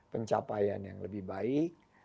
pencapaian yang lebih baik